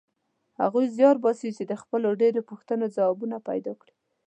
هغوی زیار باسي چې د خپلو ډېرو پوښتنو ځوابونه پیدا کړي.